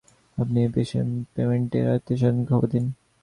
আপনি এই পেশেন্টের আত্মীয়স্বজনকে খবর দিন।